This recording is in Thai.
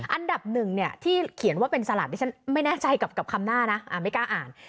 อันดับ๑ที่เขียนว่าเป็นสัลลัดที่ฉันไม่แน่ใจกับคำหน้านะไม่กล้าอ่าน